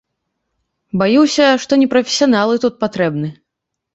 Баюся, што не прафесіяналы тут патрэбны.